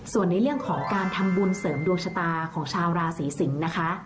ส่วนในเรื่องของการทำบุญเสริมดวงชะตาของชาวราศีสิงศ์นะคะ